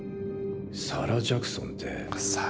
サラ・ジャクソンって。